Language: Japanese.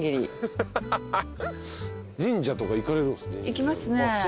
行きますね。